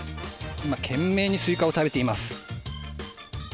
今、懸命にスイカを食べています。